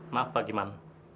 maaf pak giman